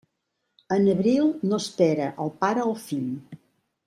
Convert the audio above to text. En abril, no espera el pare al fill.